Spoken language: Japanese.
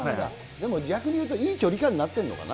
でも逆に言うと、いい距離感になってるのかな。